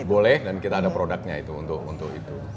boleh dan kita ada produknya itu untuk itu